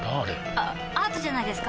あアートじゃないですか？